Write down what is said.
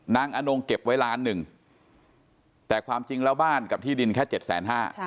อนงเก็บไว้ล้านหนึ่งแต่ความจริงแล้วบ้านกับที่ดินแค่เจ็ดแสนห้า